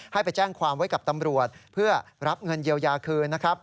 ให้ไปแจ้งความไว้กับตำรวจเพื่อรับเงินเยียวยาคืนนะครับ